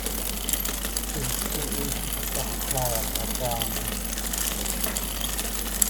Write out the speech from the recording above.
It is too easy to stop a player by fouling him.